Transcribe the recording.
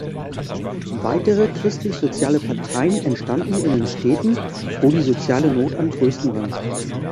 Weitere Christlichsoziale Parteien entstanden in den Städten, wo die soziale Not am grössten war.